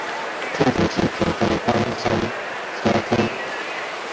特点是口感干香酥脆。